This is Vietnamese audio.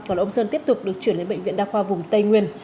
còn ông sơn tiếp tục được chuyển lên bệnh viện đa khoa vùng tây nguyên